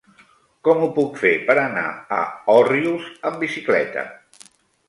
Com ho puc fer per anar a Òrrius amb bicicleta?